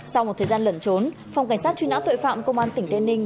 sau một thời gian lẩn trốn phòng cảnh sát truy nã tội phạm công an tỉnh tây ninh